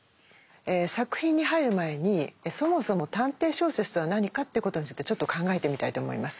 作品に入る前にそもそも探偵小説とは何かということについてちょっと考えてみたいと思います。